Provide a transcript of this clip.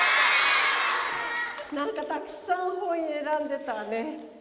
何かたくさん本選んでたわね。